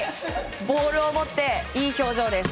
ボールを持っていい表情です。